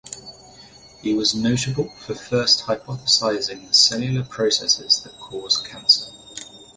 He was notable for first hypothesising the cellular processes that cause cancer.